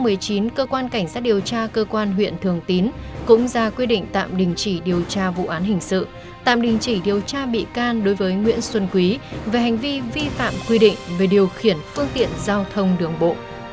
đến ngày tám tháng hai năm hai nghìn một mươi chín cơ quan cảnh sát điều tra cơ quan huyện thường tín cũng ra quyết định tạm đình chỉ điều tra vụ án hình sự tạm đình chỉ điều tra bị can đối với nguyễn xuân quý về hành vi vi phạm quy định về điều khiển phương tiện giao thông đường bộ